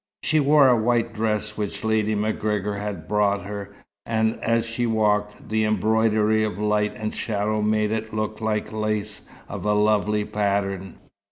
She wore a white dress which Lady MacGregor had brought her, and as she walked, the embroidery of light and shadow made it look like lace of a lovely pattern.